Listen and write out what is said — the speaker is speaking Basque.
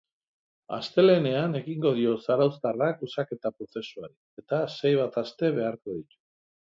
Astelehenean ekingo dio zarauztarrak osaketa prozesuari eta sei bat aste beharko ditu.